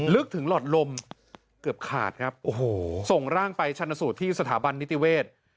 ลึกถึงหลอดลมเกือบขาดครับโอ้โหส่งร่างไปชนสูตรที่สถาบันนิติเวศ